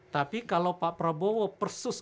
tapi kalau pak prabowo persus